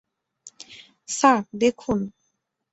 Sir, দেখুন!